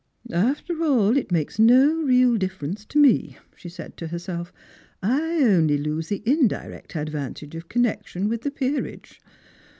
"After all, it makes no real difference to me," she said to her self. " I only lose the indirect advantage of connection with the peerage.